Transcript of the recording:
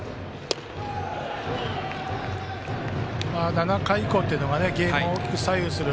７回以降というのはゲームを左右する。